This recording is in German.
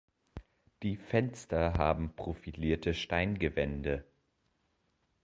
Die Fenster haben profilierte Steingewände.